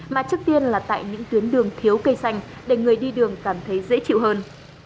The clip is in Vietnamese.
mà trước tiên là tại những tuyến đường thiếu cây xanh để người đi đường cảm thấy dễ chịu hơn